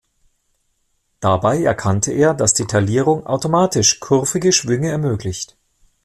Dabei erkannte er, dass die Taillierung automatisch kurvige Schwünge ermöglicht.